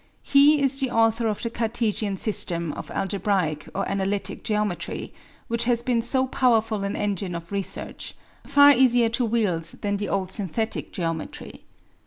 He is the author of the Cartesian system of algebraic or analytic geometry, which has been so powerful an engine of research, far easier to wield than the old synthetic geometry.